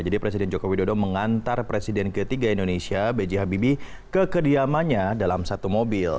jadi presiden jokowi dodo mengantar presiden ketiga indonesia b j habibie ke kediamannya dalam satu mobil